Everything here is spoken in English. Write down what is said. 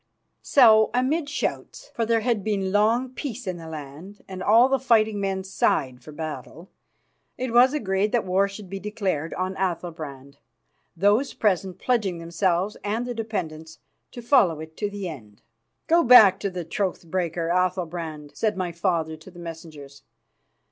So, amidst shouts, for there had been long peace in the land, and all the fighting men sighed for battle, it was agreed that war should be declared on Athalbrand, those present pledging themselves and their dependents to follow it to the end. "Go back to the troth breaker, Athalbrand," said my father to the messengers.